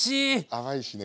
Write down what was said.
甘いしね